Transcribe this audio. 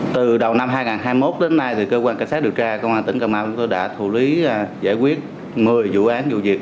từ đầu năm hai nghìn hai mươi một đến nay thì cơ quan cảnh sát điều tra công an tỉnh cà mau tôi đã thủ lý giải quyết một mươi vụ án vụ việc